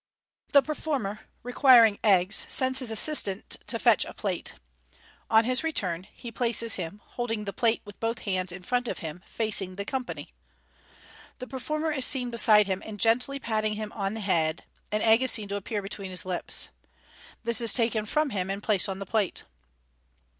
The performer, requiring eggs, sends his assistant to fetch a plate. On his return, he places him, holding the plate with both hands in front of him, facing the company. The performer standing beside him, and gently patting him on the head, an egg is seen to appear between his lips. This is taken from him, and placed on the plate.